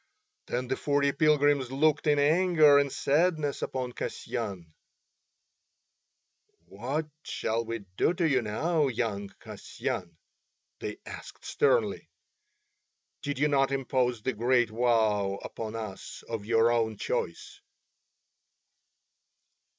Then the forty pilgrims looked in anger and sadness upon Kasyan. "What shall we do to you now, young Kasyan?" they asked sternly. "Did you not impose the great vow upon us of your own choice?"